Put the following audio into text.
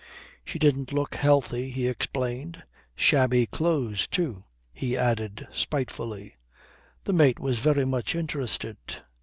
She didn't look healthy, he explained. "Shabby clothes, too," he added spitefully. The mate was very much interested.